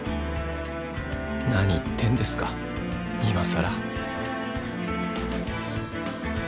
何言ってんですか今さら。